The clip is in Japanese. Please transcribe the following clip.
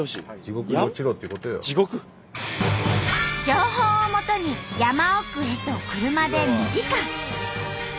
情報をもとに山奥へと車で２時間。